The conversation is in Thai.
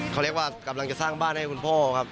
เขาเรียกว่ากำลังจะสร้างบ้านให้คุณพ่อครับ